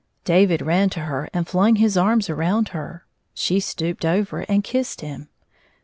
David ran to her and flung his arms around her ; she stooped over and kissed him.